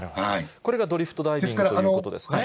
これがドリフトダイビングということですね。